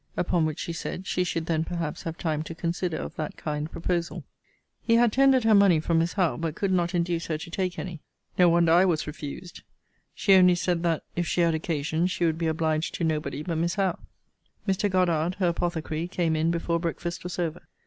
Upon which she said, she should then perhaps have time to consider of that kind proposal. He had tendered her money from Miss Howe; but could not induce her to take any. No wonder I was refused! she only said, that, if she had occasion, she would be obliged to nobody but Miss Howe. Mr. Goddard, her apothecary, came in before breakfast was over.